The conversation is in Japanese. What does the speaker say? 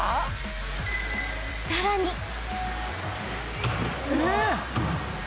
［さらに］